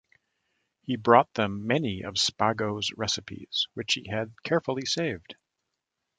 He brought them many of Spago's recipes, which he had carefully saved.